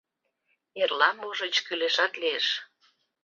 Эрла, можыч, кӱлешат лиеш.